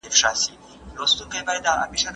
لمر د خواشینۍ کچه کموي.